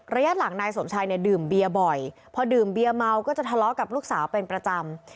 ระยะหลังนายสมชายเนี่ยดื่มเบียร์บ่อยพอดื่มเบียเมาก็จะทะเลาะกับลูกสาวเป็นประจำ